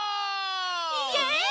イエイ！